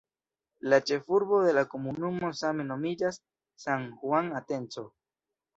La ĉefurbo de la komunumo same nomiĝas "San Juan Atenco".